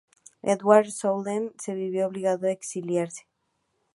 Edward Snowden se vio obligado a exiliarse.